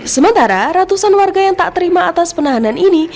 sementara ratusan warga yang tak terima atas penahanan ini